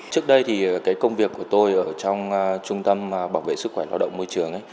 trước đây thì công việc của tôi ở trong trung tâm bảo vệ sức khỏe ngoại động môi trường